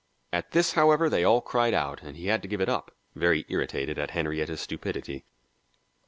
At this, however, they all cried out, and he had to give it up, very irritated at Henrietta's stupidity.